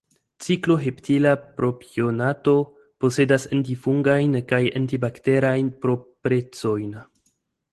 Cikloheptila propionato posedas antifungajn kaj antibakteriajn proprecojn.